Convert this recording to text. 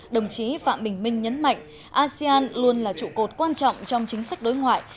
đồng chí phạm bình minh nhấn mạnh asean luôn là trụ cột quan trọng trong chính sách đối ngoại